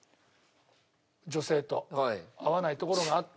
女性と合わないところがあって。